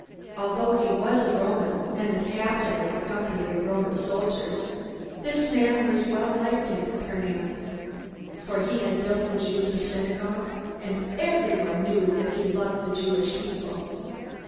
Although he was a Roman, and the captain of a company of Roman soldiers, this man was well liked in Capernaum. For he had built the Jews a synagogue, and everyone knew that he loved the Jewish people.